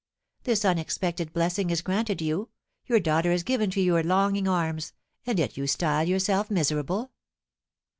This unexpected blessing is granted you, your daughter is given to your longing arms, and yet you style yourself miserable!